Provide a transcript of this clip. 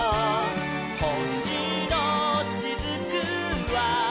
「ほしのしずくは」